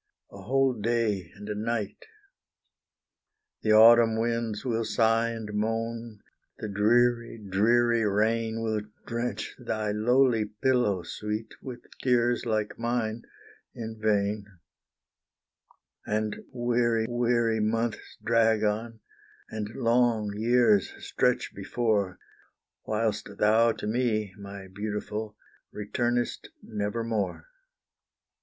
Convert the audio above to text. a whole day and a night. The autumn winds will sigh and moan; the dreary, dreary rain Will drench thy lowly pillow, sweet, with tears like mine in vain; And weary, weary months drag on, and long years stretch before, Whilst thou to me, my beautiful, returnest nevermore.